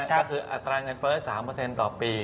ก็คืออัตราเงินเฟ้อ๓ต่อปี